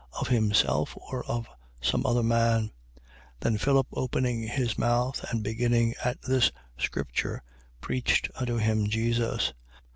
Of himself, or of some other man? 8:35. Then Philip, opening his mouth and beginning at this scripture, preached unto him Jesus.